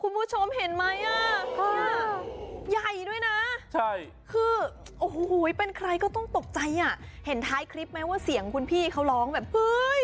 คุณผู้ชมเห็นไหมอ่ะใหญ่ด้วยนะใช่คือโอ้โหเป็นใครก็ต้องตกใจอ่ะเห็นท้ายคลิปไหมว่าเสียงคุณพี่เขาร้องแบบเฮ้ย